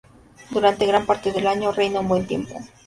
Durante gran parte del año reina un buen tiempo.